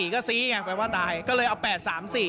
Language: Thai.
๔ก็ซีแม่งว่าตายก็เลยเอา๘๓๔